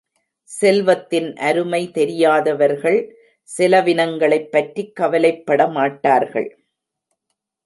செல்வத்தின் அருமை தெரியாதவர்கள் செலவினங்களைப் பற்றி கவலைப்பட மாட்டார்கள்.